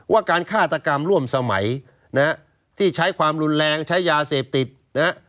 การฆาตกรรมร่วมสมัยนะฮะที่ใช้ความรุนแรงใช้ยาเสพติดนะฮะ